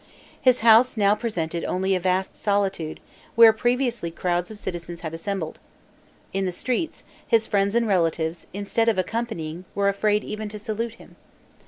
His house now presented only a vast solitude, where previously crowds of citizens had assembled. In the streets, his friends and relatives, instead of accompanying, were afraid even to salute him.